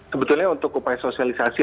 sebetulnya untuk upaya sosialisasi